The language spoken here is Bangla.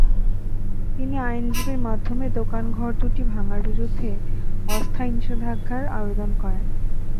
তিনি আইনজীবীর মাধ্যমে দোকানঘর দুটি ভাঙার বিরুদ্ধে অস্থায়ী নিষেধাজ্ঞার আবেদন করেন।